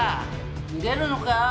「逃げるのか？